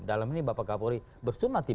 dalam ini bapak kapuri bersumatimnya